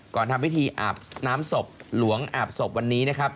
ก่อนทำวิธีหนามศพหลวงอับศพวันนี้นะครับ